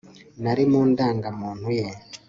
n ari mu ndangamuntu ye